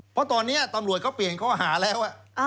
เพราะตอนนี้ตำรวจเขาเปลี่ยนข้อหาแล้ว